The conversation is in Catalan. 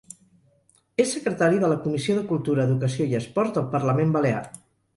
És secretari de la comissió de cultura, educació i esports del Parlament Balear.